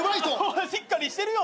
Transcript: しっかりしてるよね。